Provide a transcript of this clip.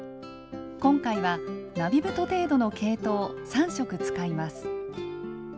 今回は並太程度の毛糸を３色使います。